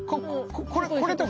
ここれとか？